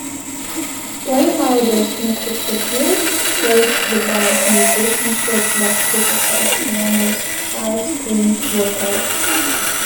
Playlouder's mixed review praised the band's musicianship, but criticized Moreno's high, screamed vocals.